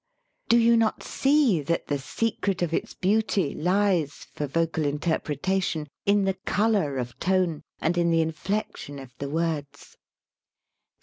Do you not see that the secret of its beauty lies, for vocal interpretation, in the color of tone and in the inflection of the words